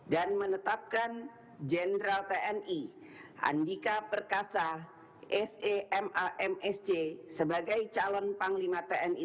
dan menetapkan jenderal tni andika perkasa semamsj sebagai calon panglima tni